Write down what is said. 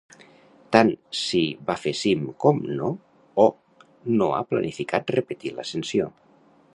Tant si va fer cim com no, Oh no ha planificat repetir l'ascensió.